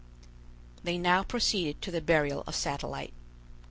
They now proceeded to the burial of Satellite.